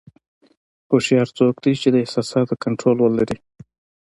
هوښیار څوک دی چې د احساساتو کنټرول ولري.